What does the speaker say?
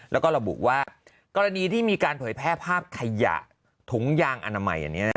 แล้วก็ระบุว่ากรณีที่มีการเผยแพร่ภาพขยะถุงยางอนามัย